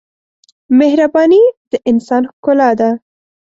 مهرباني د انسان ښکلا ده.